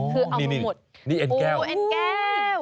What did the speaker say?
คือเอามาหมดโอ้โฮแอนด์แก้วโอ้โฮแอนด์แก้ว